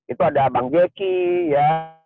itu ada bang jelky ya